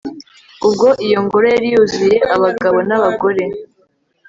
ubwo iyo ngoro yari yuzuye abagabo n'abagore